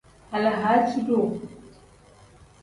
Alahaaci-duu.